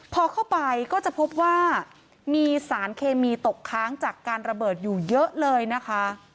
พอเข้าไปก็จะพบว่ามีสารเคมีตกค้างจากการระเบิดอยู่เยอะเลยนะคะ